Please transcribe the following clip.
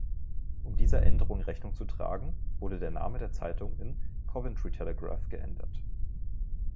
Um dieser Änderung Rechnung zu tragen, wurde der Name der Zeitung in „Coventry Telegraph“ geändert.